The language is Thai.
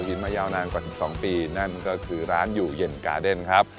อำเภอโหหินมายาวนานกว่า๑๒ปีนั่นก็คือร้านอยู่เย็นการ์เด้นครับ